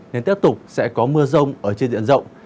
nên tiếp tục sẽ có mưa rông ở trên diện rộng